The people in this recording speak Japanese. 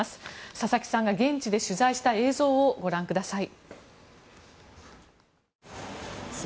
佐々木さんが現地で取材した映像をご覧ください。